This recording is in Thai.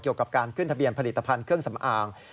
เกี่ยวกับการขึ้นทะเบียนผลิตภัณฑ์เครื่องสำอาง